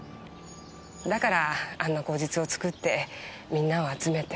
だからあんな口実を作ってみんなを集めて。